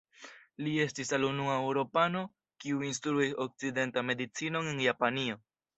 Li estis al unua eŭropano kiu instruis okcidentan medicinon en Japanio.